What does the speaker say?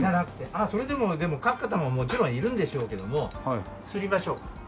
ああそれでもでも描く方ももちろんいるんでしょうけどもすりましょう。